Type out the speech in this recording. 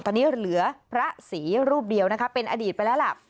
ตอนนี้เหลือพระศรีรูปเดียวนะคะเป็นอดีตไปแล้วล่ะ